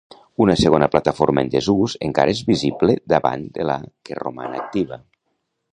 Una segona plataforma en desús encara és visible davant de la que roman activa.